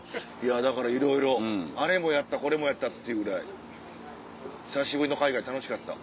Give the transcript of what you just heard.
だからいろいろあれもやったこれもやったっていうぐらい久しぶりの海外楽しかった。